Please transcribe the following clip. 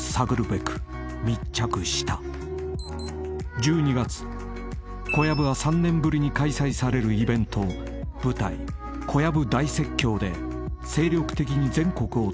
［１２月小籔は３年ぶりに開催されるイベント舞台『小籔大説教』で精力的に全国を飛び回っていた］